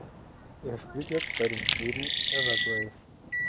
Er spielt jetzt bei den Schweden Evergrey.